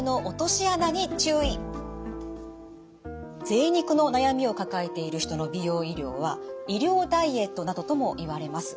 ぜい肉の悩みを抱えている人の美容医療は医療ダイエットなどともいわれます。